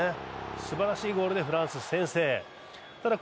すばらしいゴールでフランス先制。